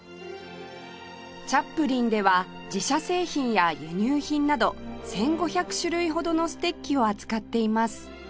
チャップリンでは自社製品や輸入品など１５００種類ほどのステッキを扱っています